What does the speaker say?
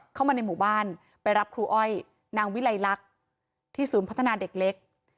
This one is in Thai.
เข้ามาในหมู่บ้านไปรับครูอ้อยนางวิลัยลักษณ์ที่ศูนย์พัฒนาเด็กเล็ก